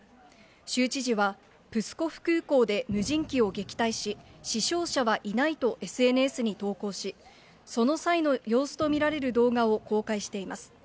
州知事は、プスコフ空港で無人機を撃退し、死傷者はいないとＳＮＳに投稿し、その際の様子と見られる動画を公開しています。